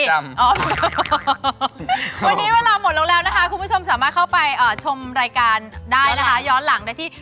วันนี้เวลาหมดลงแล้วนะคะคุณผู้ชมสามารถเข้าไปชมรายการได้นะคะย้อนหลังได้ที่